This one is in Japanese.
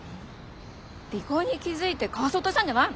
尾行に気付いてかわそうとしたんじゃないの？